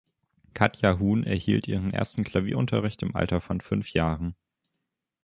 Katja Huhn erhielt ihren ersten Klavierunterricht im Alter von fünf Jahren.